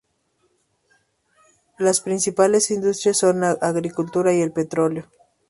Las principales industrias son la agricultura y el petróleo.